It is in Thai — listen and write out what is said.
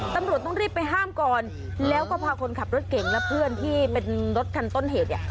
ตำรวจต้องรีบไปห้ามก่อนแล้วก็พาคนขับรถเก่งและเพื่อนที่เป็นรถคันต้นเหตุเนี่ย